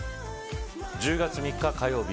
１０月３日火曜日